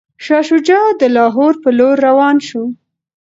شاه شجاع د لاهور په لور روان شو.